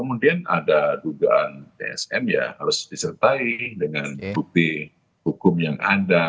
kemudian ada dugaan tsm ya harus disertai dengan bukti hukum yang ada